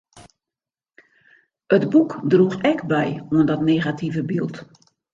It boek droech ek by oan dat negative byld.